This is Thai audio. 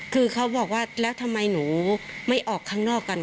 คือเขาบอกว่าแล้วทำไมหนูไม่ออกข้างนอกกัน